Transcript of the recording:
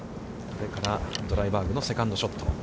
これからドライバーグのセカンドショット。